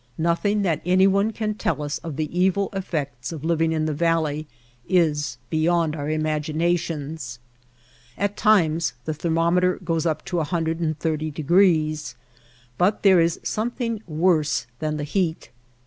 Nothing that anyone can tell us of the evil effects of living in the valley is beyond our imaginations. At times the ther mometer goes up to 130 degrees, but there is something worse than the heat.